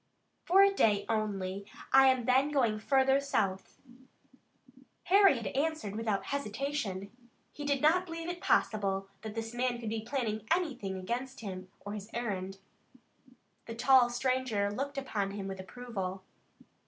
"For a day only. I am then going further south." Harry had answered without hesitation. He did not believe it possible that this man could be planning anything against him or his errand. The tall stranger looked upon him with approval.